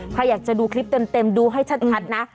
ใครอยากจะดูคลิปเต็มดูให้ชัดนะ